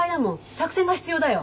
作戦が必要だよ。